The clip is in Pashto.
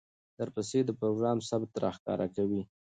درپسې د پروګرام ثبت راښکاره کوي،